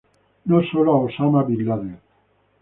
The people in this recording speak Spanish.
No sólo a Osama bin Laden.